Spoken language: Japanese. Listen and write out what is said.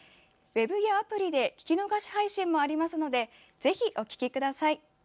ウェブやアプリで聞き逃し配信もありますのでぜひお聞きください。